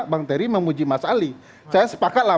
bang terry memuji mas ali saya sepakatlah